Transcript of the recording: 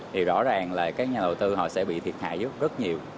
thì rõ ràng là các nhà đầu tư họ sẽ bị thiệt hại rất rất nhiều